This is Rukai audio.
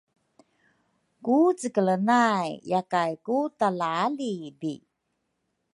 Ku cekele nay yakay ku talaalibi